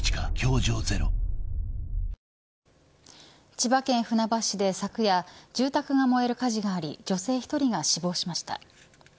千葉県船橋市で昨夜住宅が燃える火事があり女性１人が死亡しました。